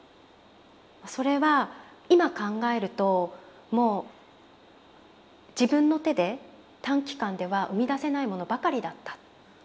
それは今考えるともう自分の手で短期間では生み出せないものばかりだった。